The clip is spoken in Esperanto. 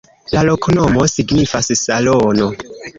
La loknomo signifas: salono.